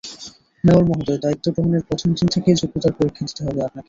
Mayor মহোদয়, দায়িত্ব গ্রহণের প্রথম দিন থেকেই যোগ্যতার পরীক্ষা দিতে হবে আপনাকে।